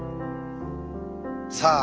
さあ